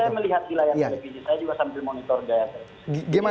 saya melihat wilayahnya saya juga sambil monitor